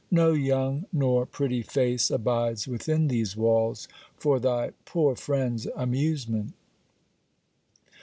No young nor pretty face abides within these walls, for thy poor friend's amusement.